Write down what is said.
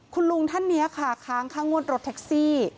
คุณลุงท่านนี้ค่ะค้างค่างวดรถแท็กซี่